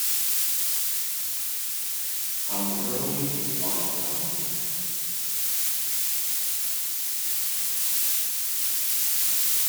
I'm literally a flying pony.